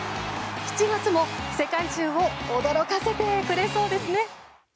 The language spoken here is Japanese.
７月も世界中を驚かせてくれそうですね。